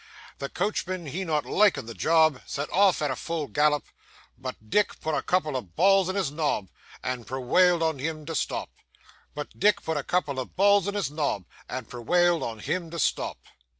The coachman he not likin' the job, Set off at full gal lop, But Dick put a couple of balls in his nob, And perwailed on him to stop. CHORUS (sarcastically) But Dick put a couple of balls in his nob, And perwailed on him to stop.